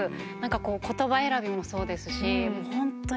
言葉選びもそうですし。